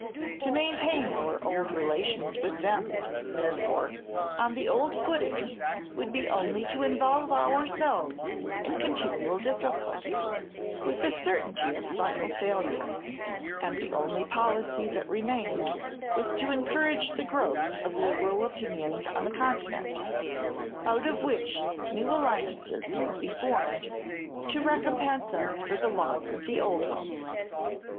To maintain our old relations with them, therefore, on the old footing, would be only to involve ourselves in continual difficulty, with a certainty of final failure; and the only policy that remained was to encourage the growth of liberal opinions on the Continent, out of which new alliances might be formed, to recompense us for the loss of the old ones.